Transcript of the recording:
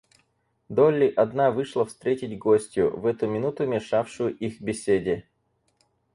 Долли одна вышла встретить гостью, в эту минуту мешавшую их беседе.